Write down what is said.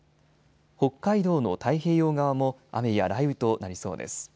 北海道の太平洋側も雨や雷雨となりそうです。